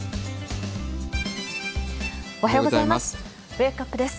おはようございます。